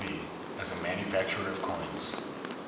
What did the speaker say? as a manufacturer of coins.